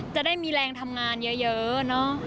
จะได้มีแรงทำงานเยอะเนอะ